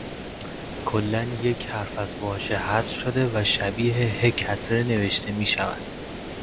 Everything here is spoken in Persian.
کلاً یک حرف از واژه حذف شده و شبیه هکسره نوشته میشه.